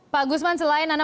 pak agusman selain anda